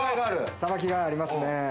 さばきがいがありますね。